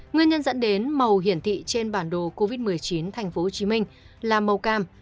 nguyên nhân dẫn đến màu hiển thị trên bản đồ covid một mươi chín tp hcm là màu cam